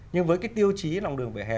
nhưng với cái tiêu chí lòng đường vẻ hè